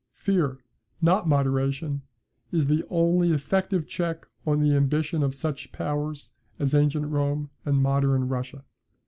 Fear, not moderation, is the only effective check on the ambition of such powers as Ancient Rome and Modern Russia.